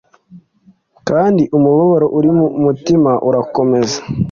kandi umubabaro uri mu mutima urakomeza